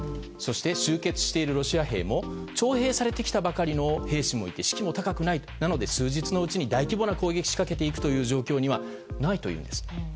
集結しているロシア兵も徴兵されてきたばかりの兵士もいて士気も高くないなので、数日のうちに大規模な攻撃を仕掛けていく状況にはないというんです。